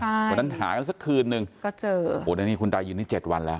ใช่วันนั้นหากันสักคืนหนึ่งก็เจอโอ้โหดังนี้คุณตายอยู่ในเจ็ดวันแล้ว